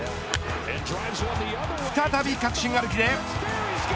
再び確信歩きで。